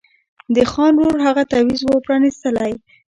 د خان ورور هغه تعویذ وو پرانیستلی